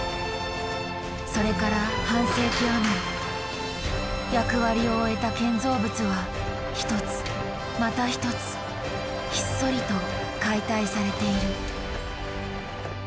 それから半世紀余り役割を終えた建造物は一つまた一つひっそりと解体されている。